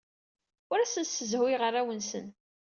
Ur asen-ssezhuyeɣ arraw-nsen.